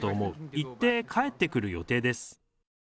行って帰ってくる予定です。